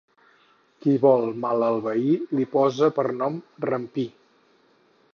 Qui vol mal al veí li posa per nom Rampí.